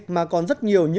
mà còn rất nhiều nguyên liệu